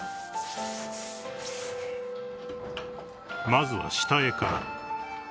［まずは下絵から］